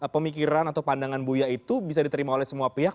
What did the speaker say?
pemikiran atau pandangan buya itu bisa diterima oleh semua pihak